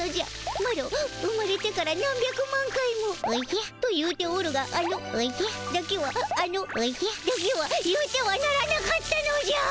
マロ生まれてから何百万回も「おじゃ」と言うておるがあの「おじゃ」だけはあの「おじゃ」だけは言うてはならなかったのじゃ。